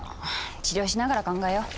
治療しながら考えよう。